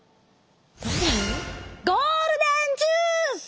ゴールデンジュース！